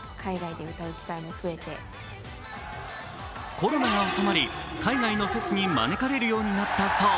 コロナが収まり、海外のフェスに招かれるようになったそう。